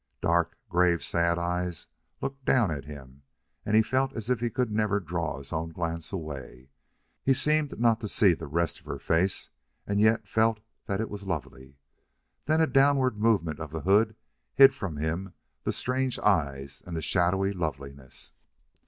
Dark, grave, sad eyes looked down at him, and he felt as if he could never draw his own glance away. He seemed not to see the rest of her face, and yet felt that it was lovely. Then a downward movement of the hood hid from him the strange eyes and the shadowy loveliness.